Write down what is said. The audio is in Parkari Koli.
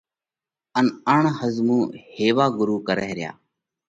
ان اڻ ۿزمُو هيوا ڳرُو ڪرئه ريا.